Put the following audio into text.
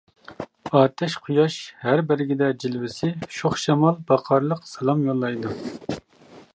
ئاتەش قۇياش ھەر بەرگىدە جىلۋىسى، شوخ شامال باقارلىق سالام يوللايدۇ!